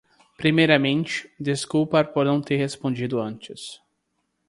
Primeiramente, desculpa por não ter te respondido antes.